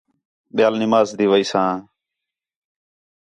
ٻِیال نماز تی ویساں